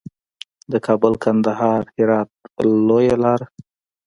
د کابل، کندهار، هرات لویه لار.